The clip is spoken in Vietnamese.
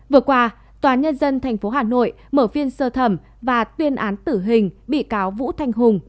vừa qua tòa nhân dân tp hà nội mở phiên sơ thẩm và tuyên án tử hình bị cáo vũ thanh hùng